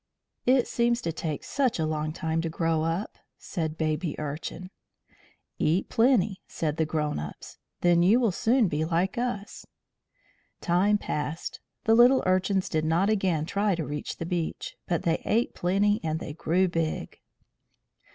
"It seems to take such a long time to grow up," said Baby Urchin. "Eat plenty," said the grown ups, "then you will soon be like us." Time passed. The little Urchins did not again try to reach the beach, but they ate plenty and they grew big.